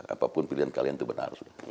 apapun pilihan kalian itu benar